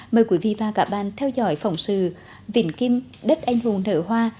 mời quý vị và các bạn theo dõi phỏng sự vĩnh kim đất anh hùng nở hoa